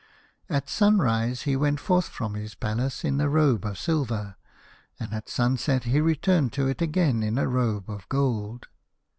" At sunrise he went forth from his palace in a robe of silver, and at sunset he returned to it again in a robe of gold.